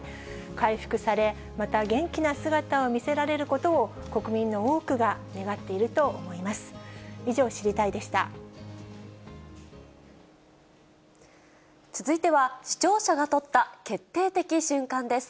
回復され、また元気な姿を見せられることを、国民の多くが願っていると思います。